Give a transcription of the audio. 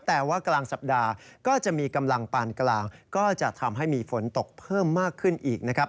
แต่ว่ากลางสัปดาห์ก็จะมีกำลังปานกลางก็จะทำให้มีฝนตกเพิ่มมากขึ้นอีกนะครับ